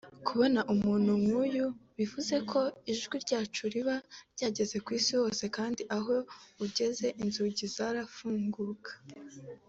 Kubona umuntu nk’uyu bivuze ko ijwi ryacu riba ryageze ku Isi hose kandi aho ageze inzugi zarafunguka